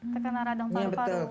terkena radang paru paru